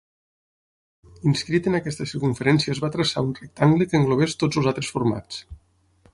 Inscrit en aquesta circumferència es va traçar un rectangle que englobés tots els altres formats.